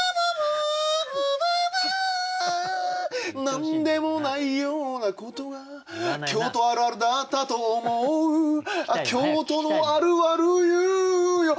何でもないような事が京都あるあるだったと思う京都のあるある言うよ